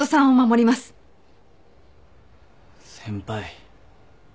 先輩。